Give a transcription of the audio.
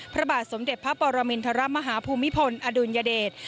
พระบาทสมเด็จพระปรมินทรมาฮภูมิพลอดุลยเดช